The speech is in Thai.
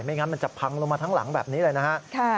งั้นมันจะพังลงมาทั้งหลังแบบนี้เลยนะฮะ